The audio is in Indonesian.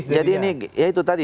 iya jadi ini ya itu tadi